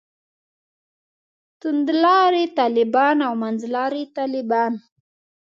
توندلاري طالبان او منځلاري طالبان.